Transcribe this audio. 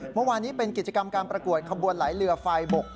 เมื่อวานนี้เป็นกิจกรรมการประกวดขบวนไหลเรือไฟบก